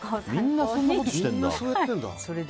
みんなそんなことしてんだ。